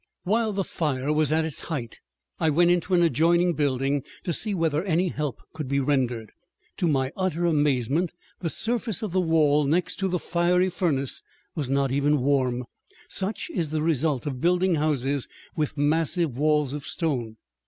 While the fire was at its height I went into the adjoining building to see whether any help could be rendered. To my utter amazement the surface of the wall next to the fiery furnace was not even warm. Such is the result of building houses with massive walls of stone.